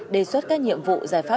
đề xuất các nhiệm vụ giải pháp